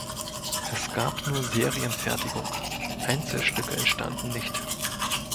Es gab nur Serienfertigung; Einzelstücke entstanden nicht.